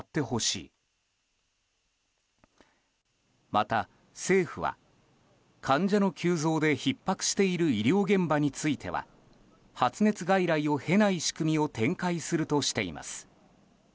また政府は、患者の急増でひっ迫している医療現場については発熱外来を経ない仕組みを展開するとしています。